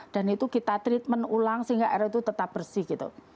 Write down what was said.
dan itu kita treatment ulang sehingga air itu tetap bersih gitu